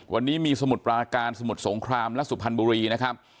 วันนี้มีสมุทรปราการสมุทรสงครามและสุพรรณบุรีนะครับ